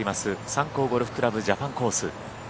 三甲ゴルフ倶楽部ジャパンコース。